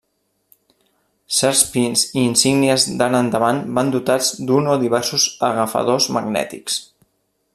Certs pins i insígnies d'ara endavant van dotats d'un o diversos agafadors magnètics.